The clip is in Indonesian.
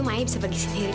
maya bisa pergi sendiri kok